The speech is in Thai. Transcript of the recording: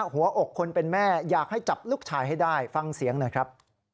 หัวอกคนเป็นแม่อยากให้จับลูกชายให้ได้ฟังเสียงหน่อยครับ